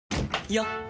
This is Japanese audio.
よっ！